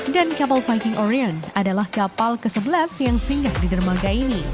dan kapal viking orion adalah kapal ke sebelas yang singgah di dermaga ini